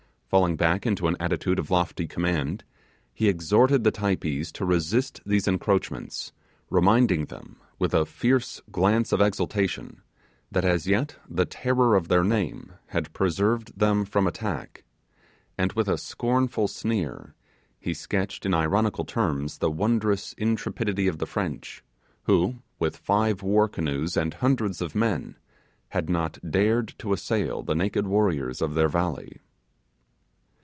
Falling back into an attitude of lofty command, he exhorted the Typees to resist these encroachments; reminding them, with a fierce glance of exultation, that as yet the terror of their name had preserved them from attack, and with a scornful sneer he sketched in ironical terms the wondrous intrepidity of the French, who, with five war canoes and hundreds of men, had not dared to assail the naked warriors of their valley.